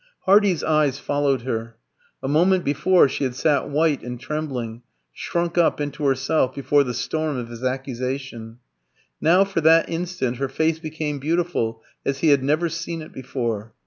Hardy's eyes followed her. A moment before she had sat white and trembling, shrunk up into herself before the storm of his accusation; now, for that instant, her face became beautiful as he had never seen it before.